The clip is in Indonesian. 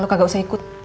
lu kagak usah ikut